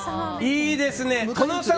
いいですねー！